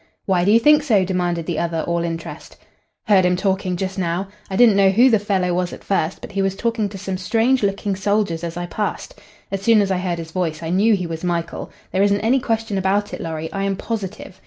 "Why do you think so?" demanded the other, all interest. "Heard him talking just now. I didn't know who the fellow was at first, but he was talking to some strange looking soldiers as I passed. As soon as I heard his voice I knew he was Michael. There isn't any question about it, Lorry. I am positive.